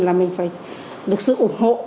là mình phải được sự ủng hộ